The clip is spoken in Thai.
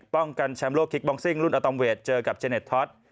กันแชมป์โลกคิกบองซิ่งรุ่นอาตอมเวทเจอกับเจเน็ตท็อต